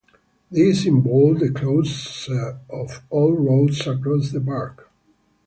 This involved the closure of all roads across the park.